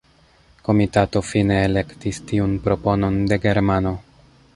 Komitato fine elektis tiun proponon de germano.